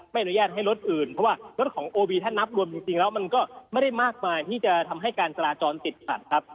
อนุญาตให้รถอื่นเพราะว่ารถของโอวีถ้านับรวมจริงแล้วมันก็ไม่ได้มากมายที่จะทำให้การจราจรติดขัดครับ